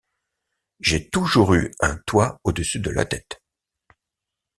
J’ai toujours eu un toit au-dessus de la tête.